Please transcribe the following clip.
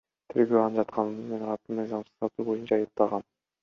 Тергөө аны жатакананын имаратын мыйзамсыз сатуу боюнча айыптаган.